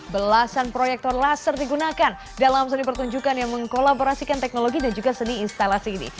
belasan proyektor laser digunakan dalam seni pertunjukan yang mengkolaborasikan teknologi dan juga seni instalasi ini